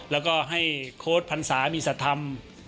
แล้วก็ให้โค้ดภัณฑ์สามีศัตริย์ธรรม